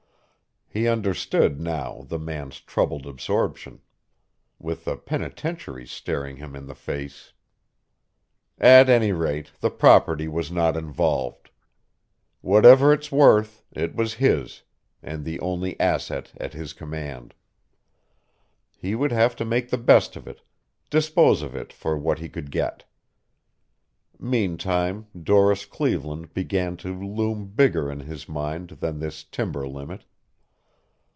He understood now the man's troubled absorption. With the penitentiary staring him in the face At any rate the property was not involved. Whatever its worth, it was his, and the only asset at his command. He would have to make the best of it, dispose of it for what he could get. Meantime, Doris Cleveland began to loom bigger in his mind than this timber limit.